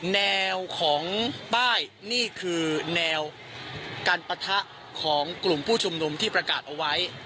แนวของป้ายนี่คือแนวการปะทะของกลุ่มผู้ชุมนุมที่ประกาศเอาไว้